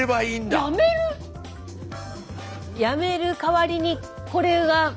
やめる代わりにこれが。